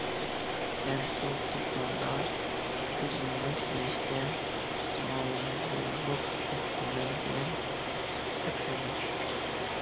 مەن ئۇ توپلامغا« ئۈزۈلمەس رىشتە» ماۋزۇلۇق ئەسلىمەم بىلەن قېتىلدىم.